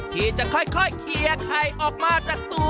ที่จะค่อยเคลียร์ไข่ออกมาจากตัว